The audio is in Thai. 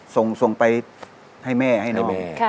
ส่งไปให้แม่ให้นอง